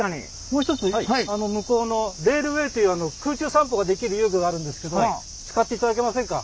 もう一つ向こうのレールウェイという空中散歩ができる遊具があるんですけども使っていただけませんか？